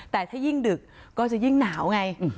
แต่ถ้ายิ่งดึกก็จะยิ่งหนาวไง